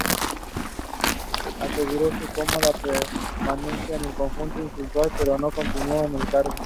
Aseguró una cómoda permanencia para el conjunto insular, pero no continuó en el cargo.